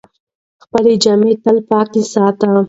خپلې جامې تل پاکې ساتئ.